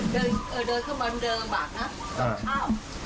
เดินเอ่อเดินเข้ามาเดินลำบากนะเอ่อ